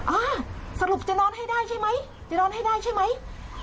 อ่าสรุปจะนอนให้ได้ใช่ไหมจะนอนให้ได้ใช่ไหม